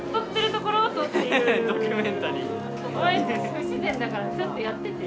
不自然だからちょっとやってて。